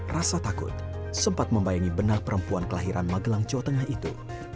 rasa takut sempat membayangi benak perempuan kelahiran magelang jawa tengah itu